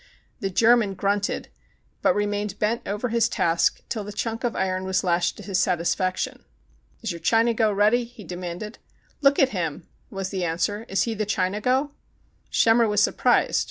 The German grunted, but remained bent over his task till the chunk of iron was lashed to his satisfaction. "Is your Chinago ready?" he demanded. "Look at him," was the answer. "Is he the Chinago V Schemmer was surprised.